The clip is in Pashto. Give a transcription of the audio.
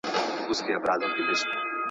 عطر استعمال کړئ.